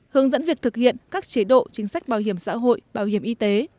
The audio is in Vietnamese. hướng dẫn việc thực hiện các chế độ chính sách bảo hiểm xã hội bảo hiểm y tế